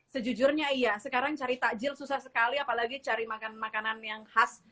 sejujurnya iya sekarang cari takjil susah sekali apalagi cari makan makanan yang khas